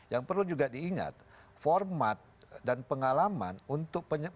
yang perlu juga diingat format dan pengalaman untuk